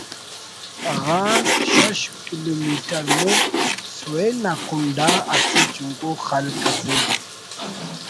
غان شش کلومیٹر مُر سویل نا کنڈ آ اسہ چنکو خلق اسے